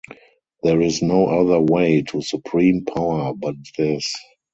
There is no other way to supreme power but this.